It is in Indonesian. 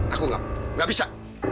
aku gak mau gak bisa